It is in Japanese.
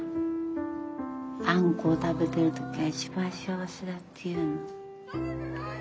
あんこを食べてる時が一番幸せだっていうの。